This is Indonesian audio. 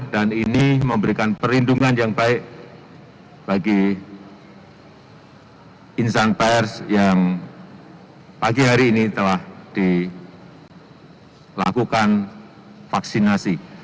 dan ini memberikan perlindungan yang baik bagi insan pers yang pagi hari ini telah dilakukan vaksinasi